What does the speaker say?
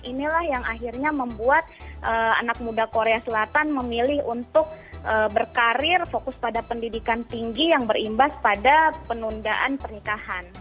inilah yang akhirnya membuat anak muda korea selatan memilih untuk berkarir fokus pada pendidikan tinggi yang berimbas pada penundaan pernikahan